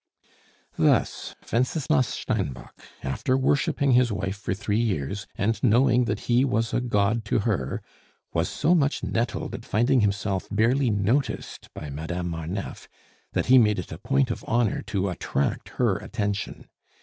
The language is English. Thus Wenceslas Steinbock, after worshiping his wife for three years and knowing that he was a god to her, was so much nettled at finding himself barely noticed by Madame Marneffe, that he made it a point of honor to attract her attention.